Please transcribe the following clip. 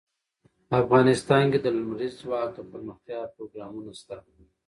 افغانستان کې د لمریز ځواک لپاره دپرمختیا پروګرامونه شته.